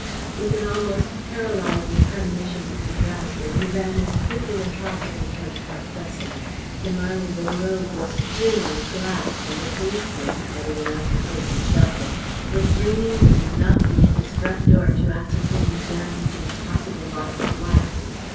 With an almost paralyzing premonition of disaster he ran as quickly as possible towards Park Crescent. The Marylebone Road was strewn with glass, and a policeman every one else had taken shelter was ringing and knocking at his front door to ascertain the damage and possible loss of life.